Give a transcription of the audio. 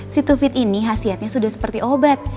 si dua fit ini hasilnya sudah seperti obat